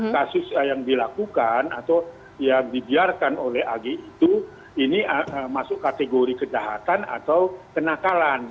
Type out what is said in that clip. kasus yang dilakukan atau yang dibiarkan oleh ag itu ini masuk kategori kejahatan atau kenakalan